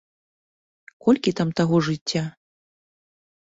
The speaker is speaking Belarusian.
Колькі там таго жыцця?